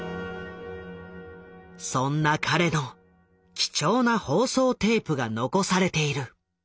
そんな彼の貴重な放送テープが残されている。